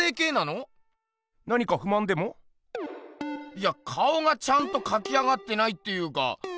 いや顔がちゃんとかき上がってないっていうか。